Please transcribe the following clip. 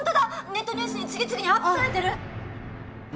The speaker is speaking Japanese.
ネットニュースに次々にアップされてる。